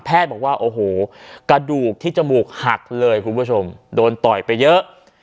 บอกว่าโอ้โหกระดูกที่จมูกหักเลยคุณผู้ชมโดนต่อยไปเยอะ